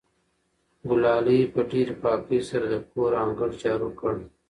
ګلالۍ په ډېرې پاکۍ سره د کور انګړ جارو کړ.